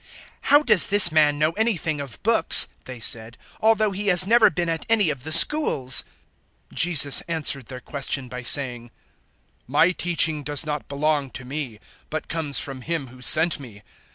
"How does this man know anything of books," they said, "although he has never been at any of the schools?" 007:016 Jesus answered their question by saying, "My teaching does not belong to me, but comes from Him who sent me.